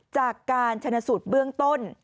จากการชนะสูตรเบื้องต้น